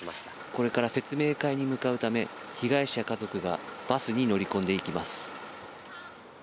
これから説明会に向かうため被害者家族がバスに乗り込んでいきます。